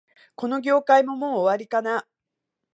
この業界も、もう終わりかな